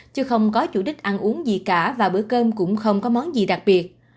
chứ không có chủ đích ăn uống gì cả và bữa cơm cũng không có món gì đặc biệt